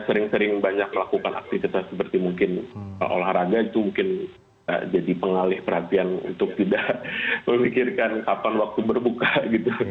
sering sering banyak melakukan aktivitas seperti mungkin olahraga itu mungkin jadi pengalih perhatian untuk tidak memikirkan kapan waktu berbuka gitu